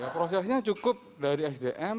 prosesnya cukup dari sdm